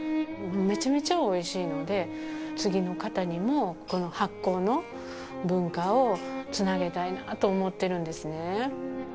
めちゃめちゃおいしいので、次の方にも、この発酵の文化をつなげたいなと思ってるんですね。